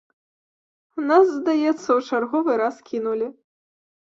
Нас, здаецца, у чарговы раз кінулі.